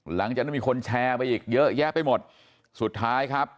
หลังจากนั้นมีคนแชร์ไปอีกเยอะแยะไปหมดสุดท้ายครับ